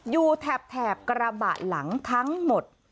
แถบกระบะหลังทั้งหมด